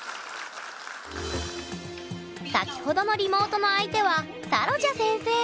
先ほどのリモートの相手はサロジャ先生。